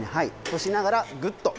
押しながらグッと。